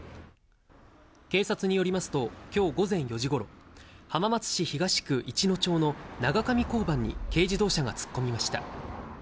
警察によりますと、きょう午前４時ごろ、浜松市東区いちの町の長上交番に軽自動車が突っ込みました。